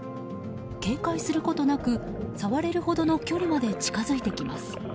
警戒することなく触れるほどの距離まで近づいてきます。